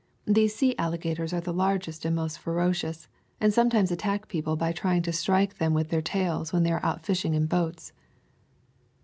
These sea alli gators are the largest and most ferocious, and sometimes attack people by trying to strike them with their tails when they are out fishing in boats.